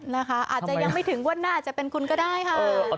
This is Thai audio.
นะคะอาจจะยังไม่ถึงงวดหน้าอาจจะเป็นคุณก็ได้ค่ะ